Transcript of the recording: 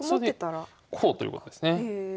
それでこうということですね。